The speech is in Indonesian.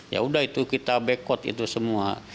ya udah itu kita bekot itu semua